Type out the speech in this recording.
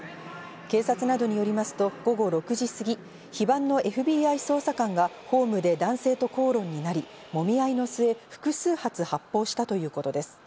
警察などによりますと午後６時過ぎ、非番のＦＢＩ捜査官がホームで男性と口論になり、もみ合いの末、複数発、発砲したということです。